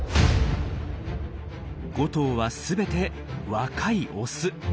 ５頭は全て若いオス。